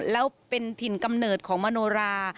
แล้วเป็นถิ่นกำเนิดของมโนรา